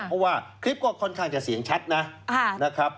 เพราะว่าคลิปก็ค่อนข้างจะเสียงชัดนะครับ